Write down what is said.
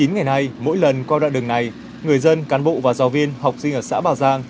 chín ngày nay mỗi lần qua đoạn đường này người dân cán bộ và giáo viên học sinh ở xã bảo giang